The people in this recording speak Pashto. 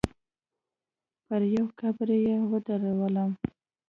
پر يوه قبر يې ودرولم.